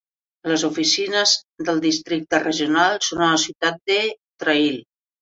Les oficines del districte regional són a la ciutat de Trail.